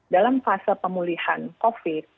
dalam fase pemulihan covid sembilan belas